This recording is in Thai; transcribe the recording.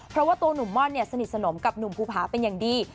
เพราะว่าตัวหนุ่มม่อนเนี่ยสนิทสนมกับหนุ่มภูผาเป็นอย่างดี